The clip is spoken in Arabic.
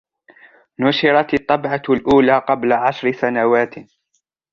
نشرت الطبعة الأولى قبل عشر سنوات.